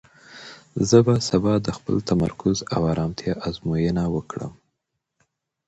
زه به سبا د خپل تمرکز او ارامتیا ازموینه وکړم.